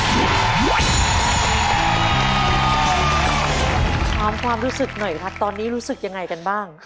ถามความรู้สึกหน่อยครับตอนนี้รู้สึกยังไงกันบ้าง